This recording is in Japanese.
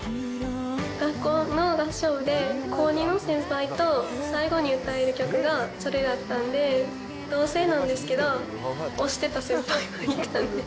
学校の合唱部で、高２の先輩と最後に歌える曲がそれだったんで、同性なんですけど、推してた先輩がいたんで。